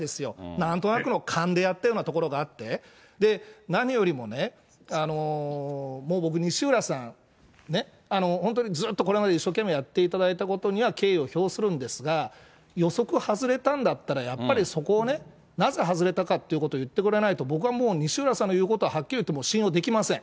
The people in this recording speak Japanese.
なんとなくの勘でやったようなところがあって、何よりもね、もう僕、西浦さんね、本当にずっとこれまで一生懸命やっていただいたことには敬意を表するんですが、予測外れたんだったら、やっぱりそこをね、なぜ外れたかっていうことを言ってくれないと、僕はもう西浦さんの言うこと、はっきり言ってもう信用できません。